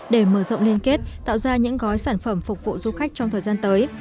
để mở rộng liên kết tạo ra những gói sản phẩm phục vụ du khách trong thời gian tới